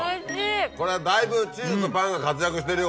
これはだいぶチーズとパンが活躍してるよ